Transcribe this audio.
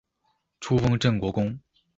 初封镇国公。